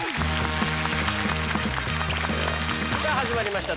さあ始まりました